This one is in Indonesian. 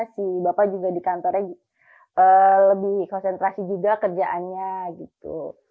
si bapak juga di kantornya lebih konsentrasi juga kerjaannya gitu